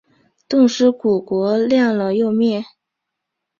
冻尸骨国亮了又灭。